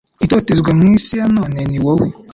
itotezwa mu isi ya none ni wowe